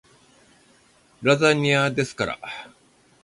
ラザニアですから